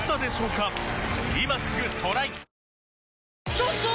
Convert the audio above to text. ちょっとー！